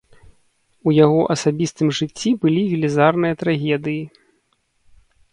У яго асабістым жыцці былі велізарныя трагедыі.